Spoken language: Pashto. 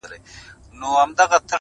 د خدای د نور جوړو لمبو ته چي سجده وکړه~